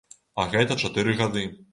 А гэта чатыры гады.